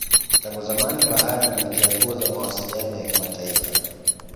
Tangu zamani bahari ni njia kuu za mawasiliano ya kimataifa.